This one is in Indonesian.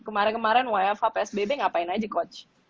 kemarin kemarin yfap sbb ngapain aja coach